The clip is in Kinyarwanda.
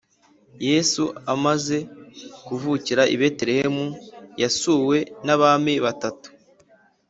Yesu amaze kuvukira i Betelehemu yasuwe n’abami batatu